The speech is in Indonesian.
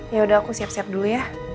yaudah aku siap siap dulu ya